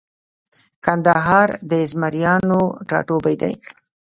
کندهار د زمریانو ټاټوبۍ دی